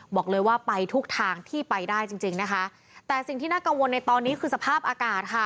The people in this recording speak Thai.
บอกเลยว่าไปทุกทางที่ไปได้จริงจริงนะคะแต่สิ่งที่น่ากังวลในตอนนี้คือสภาพอากาศค่ะ